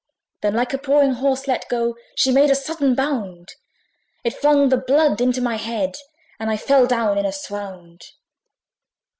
Then like a pawing horse let go, She made a sudden bound: It flung the blood into my head, And I fell down in a swound.